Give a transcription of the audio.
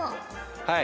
はい。